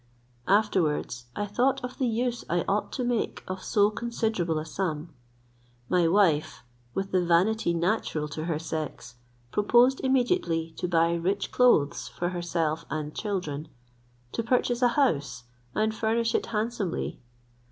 Afterwards I thought of the use I ought to make of so considerable a sum. My wife, with the vanity natural to her sex, proposed immediately to buy rich clothes for herself and children; to purchase a house, and furnish it handsomely.